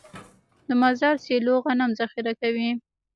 د مزار سیلو غنم ذخیره کوي.